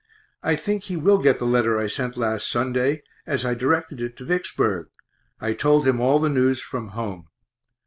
I think he will get the letter I sent last Sunday, as I directed it to Vicksburg I told him all the news from home.